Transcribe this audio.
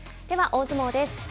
では、大相撲です。